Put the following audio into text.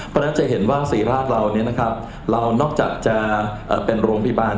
เพราะฉะนั้นจะเห็นว่าศรีราชเรานอกจากจะเป็นโรงพยาบาล